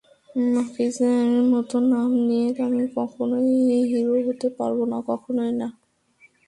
মাখিজার মতো নাম নিয়ে আমি কখনই হিরো হতে পারব না, কখনই না।